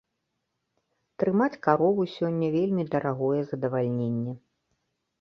Трымаць карову сёння вельмі дарагое задавальненне.